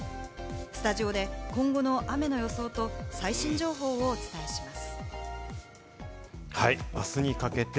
スタジオで今後の雨の予想と最新情報をお伝えします。